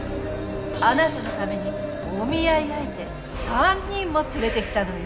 あなたのためにお見合い相手３人も連れてきたのよ。